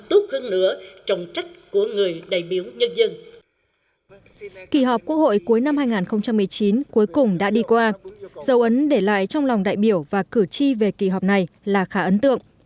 kỳ quốc hội cuối năm hai nghìn một mươi chín cuối cùng đã đi qua dấu ấn để lại trong lòng đại biểu và cử tri về kỳ họp này là khá ấn tượng